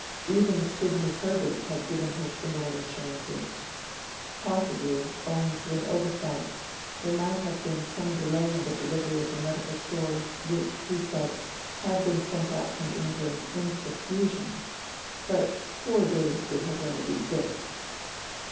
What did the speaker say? Even Sidney Herbert had given her similar assurances; possibly, owing to an oversight, there might have been some delay in the delivery of the medical stores, which, he said, had been sent out from England 'in profusion', but 'four days would have remedied this'.